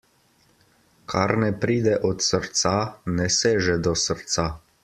Kar ne pride od srca, ne seže do srca.